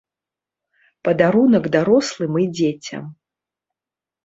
Падарунак дарослым і дзецям.